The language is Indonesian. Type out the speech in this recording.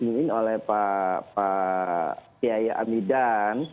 yang sebetulnya sebelum pak arija menjadi wajar pak arija menjadi wajar